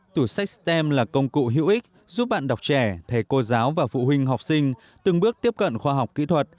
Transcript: tủ sách stem là công cụ hữu ích giúp bạn đọc trẻ thầy cô giáo và phụ huynh học sinh từng bước tiếp cận khoa học kỹ thuật